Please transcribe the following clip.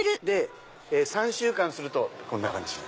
３週間するとこんな感じ。